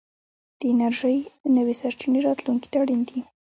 د انرژۍ نوې سرچينې راتلونکي ته اړين دي.